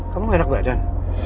kamu gak enak badan